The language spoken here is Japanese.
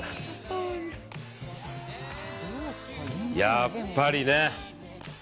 やっぱりね。